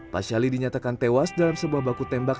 pak shaly dinyatakan tewas dalam sebuah baku tembak